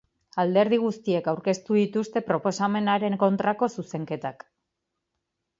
Alderdi guztiek aurkeztu dituzte proposamenaren kontrako zuzenketak.